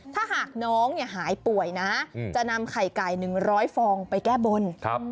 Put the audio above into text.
ถ้าหากน้องหายป่วยนะจะนำไข่ไก่๑๐๐ฟองไปแก้บน